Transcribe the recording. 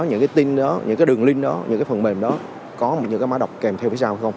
những cái tin đó những cái đường link đó những cái phần mềm đó có những cái mã đọc kèm theo phía sau không